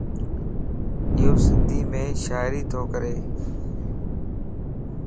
ايو سنڌيءَ مَ شاعري تو ڪري.